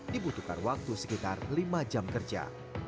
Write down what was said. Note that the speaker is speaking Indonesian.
dibutuhkan waktu sekitar lima jam kerja